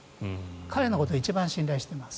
彼のことを一番信頼しています。